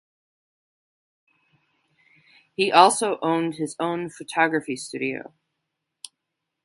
He also owned his own photography studio.